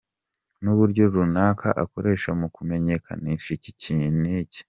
n'uburyo runaka akoresha mu kumenyekanisha iki niki !!!.